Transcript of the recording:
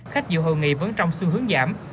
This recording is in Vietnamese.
khách dự hội nghị vẫn trong xu hướng giảm